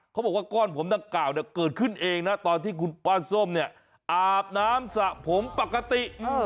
บอกว่าก้อนผมดังกล่าวเนี่ยเกิดขึ้นเองนะตอนที่คุณป้าส้มเนี่ยอาบน้ำสระผมปกติ